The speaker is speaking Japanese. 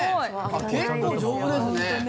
結構丈夫ですね。